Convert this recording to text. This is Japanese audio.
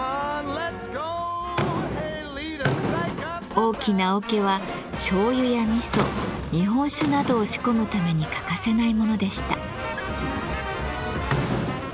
大きな桶は醤油やみそ日本酒などを仕込むために欠かせないものでした。